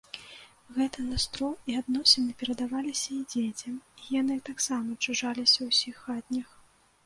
Гэты настрой і адносіны перадаваліся і дзецям, і яны таксама чужаліся ўсіх хатніх.